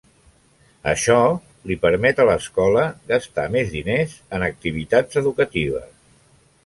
Això li permet a l'escola gastar més diners en activitats educatives.